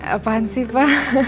apaan sih pa